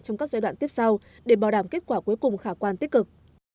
trong các giai đoạn tiếp sau để bảo đảm kết quả cuối cùng khả quan tích cực